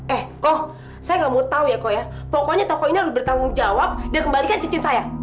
eh koh saya nggak mau tahu ya koh ya pokoknya tokoh ini harus bertanggung jawab dan kembalikan cincin saya